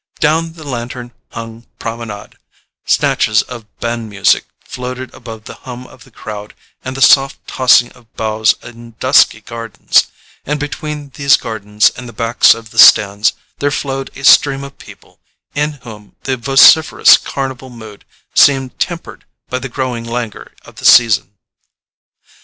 Down the lantern hung Promenade, snatches of band music floated above the hum of the crowd and the soft tossing of boughs in dusky gardens; and between these gardens and the backs of the stands there flowed a stream of people in whom the vociferous carnival mood seemed tempered by the growing languor of the season.